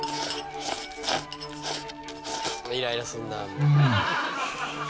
イライラすんなあ。